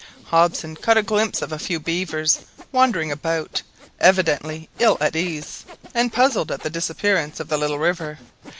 Hobson caught a glimpse of a few beavers wandering about, evidently ill at ease, and puzzled at the disappearance of the little river.